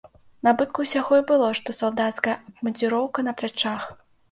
Набытку ўсяго і было што салдацкая абмундзіроўка на плячах.